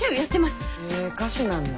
へぇ歌手なんだ。